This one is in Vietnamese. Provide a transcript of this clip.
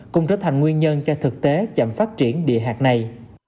cũng trở thành nguyên nhân cho thực tế chậm phát triển địa hạt này